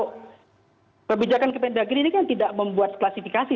kebijakan kependagin ini kan tidak membuat klasifikasi